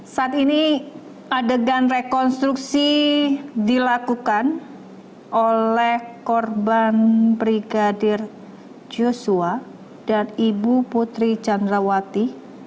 saat ini adegan rekonstruksi dilakukan oleh korban brigadir joshua dan ibu putri candrawati